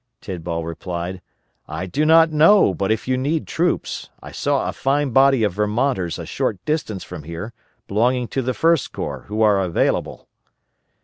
Tidball replied, "I do not know, but if you need troops, I saw a fine body of Vermonters a short distance from here, belonging to the First Corps, who are available."